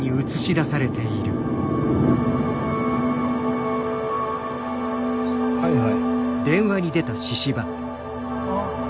はいはい。